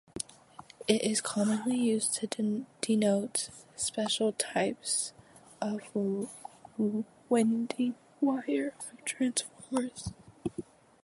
It is commonly used to denote special types of winding wire for transformers.